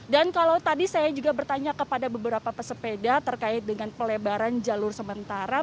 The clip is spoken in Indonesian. dan kalau tadi saya juga bertanya kepada beberapa pesepeda terkait dengan pelebaran jalur sementara